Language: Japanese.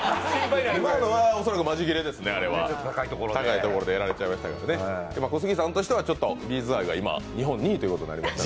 恐らくマジギレですね、あれは、高いところでやられたので小杉さんとしてはＢ’ｚ愛が日本２位ということになりました。